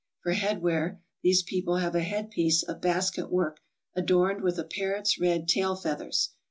For head wear these people have a head piece of basket work adorned with a parrot's red tail feathers.